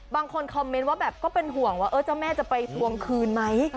บางคนคอมเมนต์ว่าแบบก็เป็นห่วงว่าเจ้าแม่จะไปทวงคืนไหม